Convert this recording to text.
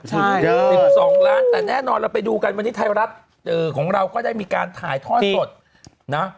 ใช่๑๒ล้านแต่แน่นอนเราไปดูกันวันนี้ไทยรัฐของเราก็ได้มีการถ่ายทอดสดนะ